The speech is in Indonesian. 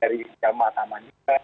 dari jaman taman jika